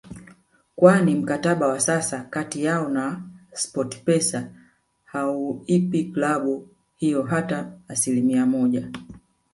kwani mkataba wa sasa kati yao na Sportpesa hauipi klabu hiyo hata asilimia moja